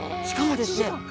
しかもですね